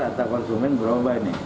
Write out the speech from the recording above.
rata konsumen berubah ini